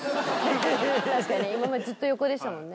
確かに今までずっと横でしたもんね。